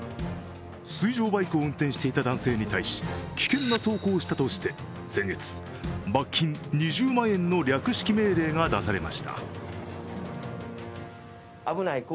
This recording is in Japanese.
水上バイクを運転していた男性に対し危険な走行をしたとして先月、罰金２０万円の略式命令が出されました。